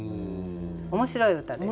面白い歌です。